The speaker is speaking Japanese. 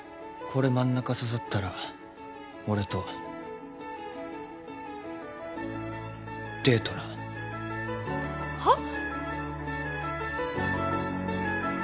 これ真ん中刺さったら俺とデートなはっ？